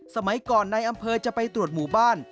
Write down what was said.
สมัยก่อนในอำเภอจะไปตรวจหมู่บ้าน